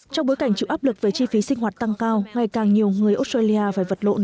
trong bối cảnh chịu áp lực về chi phí sinh hoạt tăng cao ngày càng nhiều người australia phải vật lộn